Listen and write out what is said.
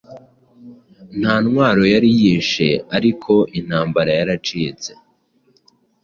Nta ntwaro yari yishe ariko intambara yaracitse